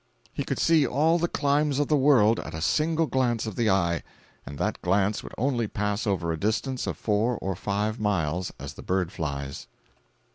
He could see all the climes of the world at a single glance of the eye, and that glance would only pass over a distance of four or five miles as the bird flies!